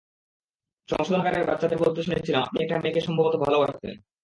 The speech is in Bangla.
সংশোধনাগারের বাচ্চাদের বলতে শুনেছিলাম আপনি একটা মেয়েকে সম্ভবত ভালোবাসতেন।